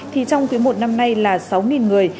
thì trong quý i năm nay là sáu người